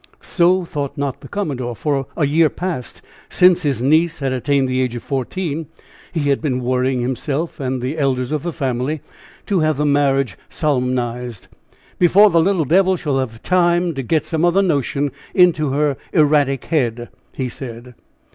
So thought not the commodore; for a year past, since his niece had attained the age of fourteen, he had been worrying himself and the elders of the family to have the marriage solemnized, "before the little devil shall have time to get some other notion into her erratic head," he said.